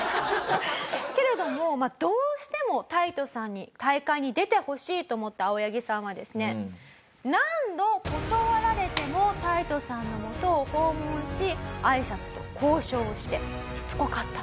けれどもどうしてもタイトさんに大会に出てほしいと思った青柳さんはですね何度断られてもタイトさんのもとを訪問しあいさつと交渉をしてしつこかったと。